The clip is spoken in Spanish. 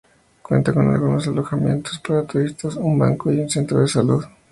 Cuenta con algunos alojamientos para turistas, un banco y un centro de salud.